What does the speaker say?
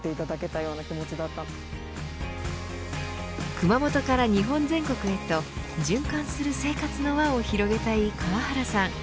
熊本から日本全国へと循環する生活の輪を広げたい川原さん。